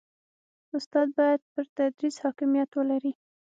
استاد باید پر تدریس حاکمیت ولري.